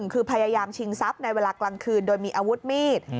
คือพยายามชิงทรัพย์ในเวลากลางคืนโดยมีอาวุธมีด